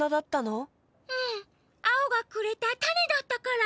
アオがくれたたねだったから。